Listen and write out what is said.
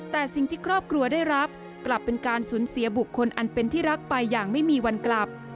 แต่สิ่งที่ครอบครัวได้รับกลับเป็นการสูญเสียบุคคลอันเป็นที่รักไปอย่างไม่มีวันกลับ